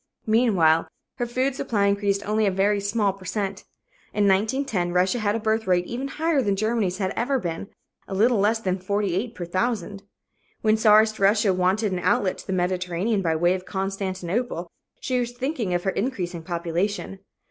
Meanwhile her food supply increased only a very small per cent. In 1910, Russia had a birth rate even higher than Germany's had ever been a little less than 48 per thousand. When czarist Russia wanted an outlet to the Mediterranean by way of Constantinople, she was thinking of her increasing population.